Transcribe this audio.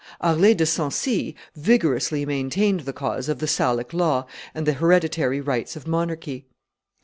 Harlay de Sancy vigorously maintained the cause of the Salic law and the hereditary rights of monarchy.